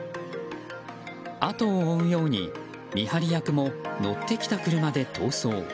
後を追うように見張り役も乗ってきた車で逃走。